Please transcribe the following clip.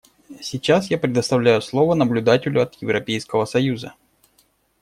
Сейчас я предоставляю слово наблюдателю от Европейского Союза.